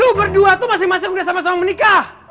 lo berdua tuh masih masih udah sama sama menikah